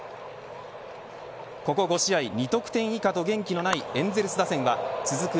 ここ５試合２得点以下と元気のないエンゼルス打線は続く